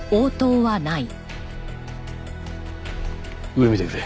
上見てくれ。